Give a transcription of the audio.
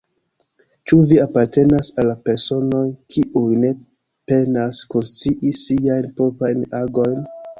Ĉu vi apartenas al la personoj, kiuj ne penas konscii siajn proprajn agojn?